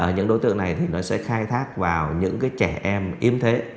những đối tượng này sẽ khai thác vào những trẻ em yếu thế